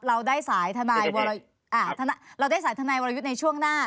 เราได้สายธนายวรยุทธในช่วงหน้า